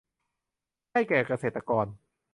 ให้แก่เกษตรกร